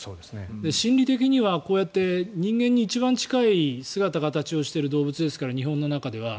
心理的には人間に一番近い姿形をしている動物ですから日本の中では。